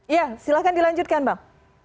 iya silahkan dilanjutkan bang